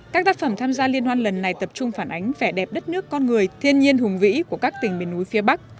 các tác phẩm tham gia liên hoan lần này tập trung phản ánh vẻ đẹp đất nước con người thiên nhiên hùng vĩ của các tỉnh miền núi phía bắc